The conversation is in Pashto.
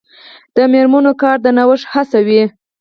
د میرمنو کار د نوښت هڅوي.